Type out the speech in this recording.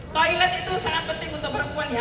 toilet itu sangat penting untuk perempuan ya